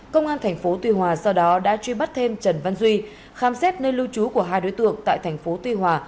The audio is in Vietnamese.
công an thành phố tuy hòa sau đó đã truy bắt thêm trấn văn duy khám xét nơi lưu trú của hai đối tượng tại thành phố tuy hòa